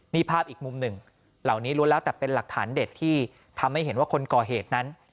นี่ภาพอีกมุมหนึ่งเหล่านี้ล้วนแล้วแต่เป็นหลักฐานเด็ดที่ทำให้เห็นว่าคนก่อเหตุนั้น